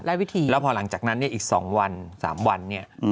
วิธีแล้วพอหลังจากนั้นเนี่ยอีก๒วัน๓วันเนี่ย